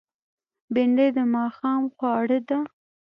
بېنډۍ د ماښام خواړه ده